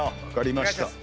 分かりました。